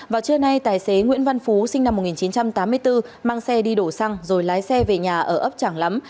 vào trưa nay tài xế nguyễn văn phú sinh năm một nghìn chín trăm tám mươi bốn mang xe đi đổ xăng rồi lái xe về nhà ở ấp trảng lắm